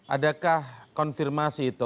adakah konfirmasi itu